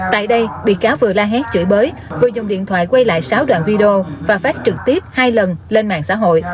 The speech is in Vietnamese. tại đây bị cáo vừa la hét chửi bới vừa dùng điện thoại quay lại sáu đoạn video và phát trực tiếp hai lần lên mạng xã hội